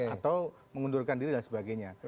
atau mengundurkan diri dan sebagainya